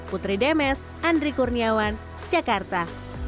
putri demes andri kurniawan jakarta